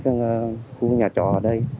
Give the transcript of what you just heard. trong khu nhà trọ ở đây